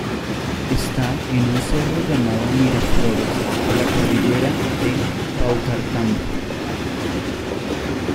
Está en un cerro llamado Miraflores de la cordillera de Paucartambo.